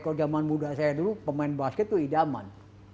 kalau zaman muda saya dulu pemain basket itu idaman